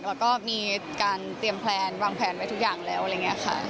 เราก็มีการเตรียมแพลนวางแพลนไปทุกอย่างแล้วอะไรแบบนี้ค่ะ